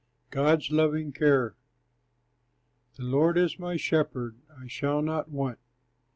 GOD'S LOVING CARE The Lord is my shepherd; I shall not want.